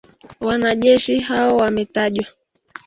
Wanajeshi hao wametajwa